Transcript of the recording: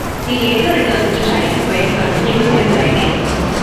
He later returns to Chile, where he continues his writing.